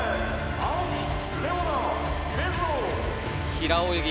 平泳ぎ